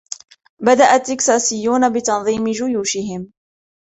بدأ التكساسيون بتنظيم جيوشهم.